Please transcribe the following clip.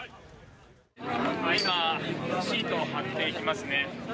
今、シートを張っていきますね。